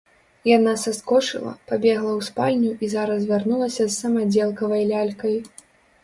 Яна саскочыла, пабегла ў спальню і зараз вярнулася з самадзелкавай лялькай.